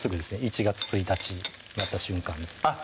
１月１日になった瞬間ですあっ